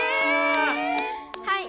はい！